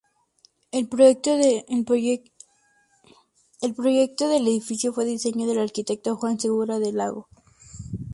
El proyecto del edificio fue diseño del arquitecto Juan Segura de Lago.